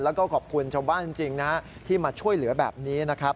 แล้วก็ขอบคุณชาวบ้านจริงนะที่มาช่วยเหลือแบบนี้นะครับ